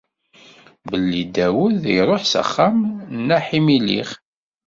Belli Dawed iruḥ s axxam n Aḥimilix.